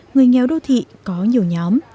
người nghèo đô thị có nhiều nhóm